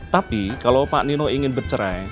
tapi kalau pak nino ingin bercerai